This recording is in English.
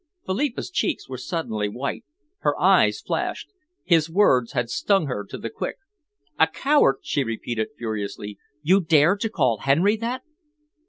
Philippa's cheeks were suddenly white. Her eyes flashed. His words had stung her to the quick. "A coward?" she repeated furiously. "You dare to call Henry that?"